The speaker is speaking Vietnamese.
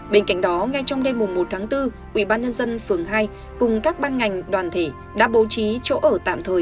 bên cạnh đó ngay trong đêm một tháng bốn quỹ ban nhân dân phường hai cùng các ban ngành đoàn thể đã bố trí chỗ ở tạm thời